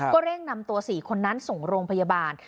เร่งนำตัว๔คนนั้นส่งโรงพยาบาล